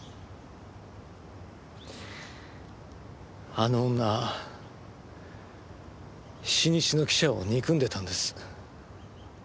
あの女新日の記者を憎んでいたんです。